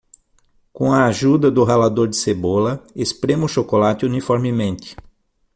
Com a ajuda do ralador de cebola, esprema o chocolate uniformemente.